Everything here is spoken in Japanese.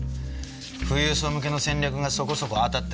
富裕層向けの戦略がそこそこ当たってるだけです。